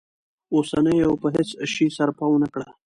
اوسنيو په هیڅ شي سرپه ونه کړه.